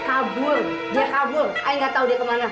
kabur dia kabur ayah gak tau dia kemana